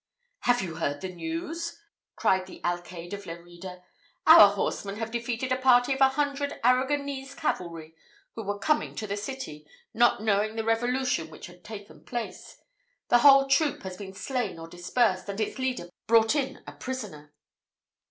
"Have you heard the news?" cried the alcayde of Lerida; "our horsemen have defeated a party of a hundred Arragonese cavalry, who were coming to the city, not knowing the revolution which had taken place. The whole troop has been slain or dispersed, and its leader brought in a prisoner."